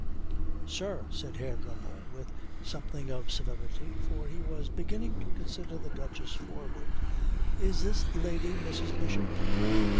"Sir," said Herr Dremmel with something of severity, for he was beginning to consider the Duchess forward, "is this lady Mrs. Bishop?"